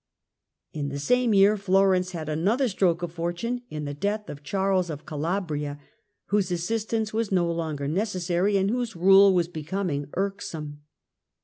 In the same year Florence had another stroke of fortune in the death of Charles of Calabria, whose assistance was no longer necessary, and whose rule was becoming irksome.